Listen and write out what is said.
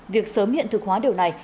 việc sớm hiện thực hóa điều này